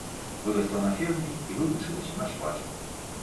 Вырасла на ферме, і вывучылася на швачку.